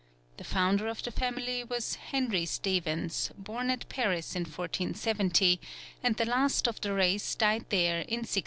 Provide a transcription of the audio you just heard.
The founder of the family was Henry Stephens, born at Paris in 1470, and the last of the race died there in 1674.